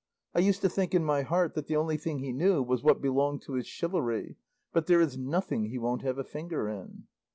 I used to think in my heart that the only thing he knew was what belonged to his chivalry; but there is nothing he won't have a finger in."